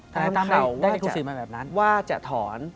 ตามข่าวว่าจะถอน